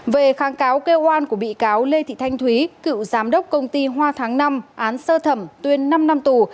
về kháng cáo kêu oan của bị cáo lê thị thanh thúy cựu giám đốc công ty hoa tháng năm án sơ thẩm tuyên năm năm tù